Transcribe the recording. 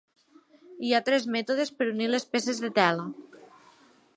Hi ha tres mètodes per unir les peces de tela.